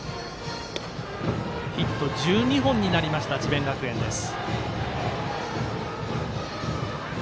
ヒット１２本になりました智弁学園です。